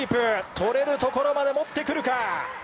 取れる所まで持ってくるか。